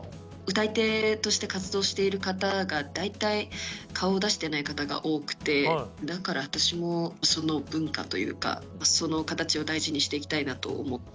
歌い手として活動している方が大体顔を出してない方が多くてだから私もその文化というかそのかたちを大事にしていきたいなと思っております。